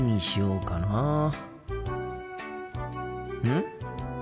うん？